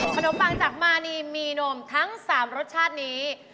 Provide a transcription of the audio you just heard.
ขนมปังจากมานีมีนมทั้ง๓รสชาตินี้